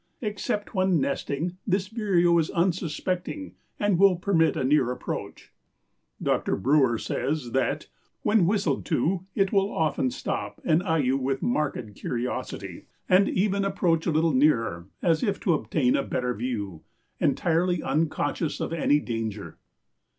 Except when nesting this vireo is unsuspecting and will permit a near approach. Dr. Brewer says that "when whistled to it will often stop and eye you with marked curiosity, and even approach a little nearer, as if to obtain a better view, entirely unconscious of any danger."